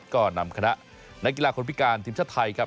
ก็นำคณะนักกีฬาคนพิการทีมชาติไทยครับ